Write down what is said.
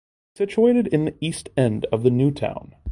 It is situated in the east end of the New Town.